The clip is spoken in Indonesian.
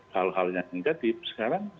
hal hal yang negatif sekarang